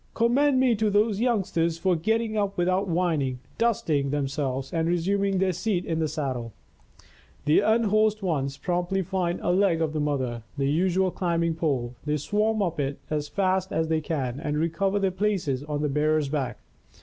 Commend me to those youngsters for getting up without whining, dusting themselves and resuming their seat in the saddle! The unhorsed ones promptly find a leg of the mother, the usual climbing pole, they swarm up it as fast as they can and recover their places on the bearer's back.